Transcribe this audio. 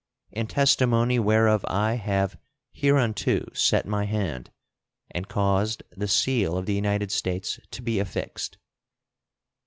In testimony whereof I have hereunto set my hand and caused the seal of the United States to be affixed.